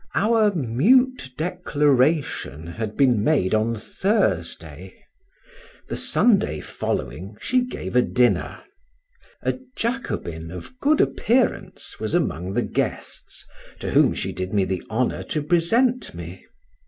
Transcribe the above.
Our mute declaration had been made on Thursday, the Sunday following she gave a dinner. A Jacobin of good appearance was among the guests, to whom she did me the honor to present me.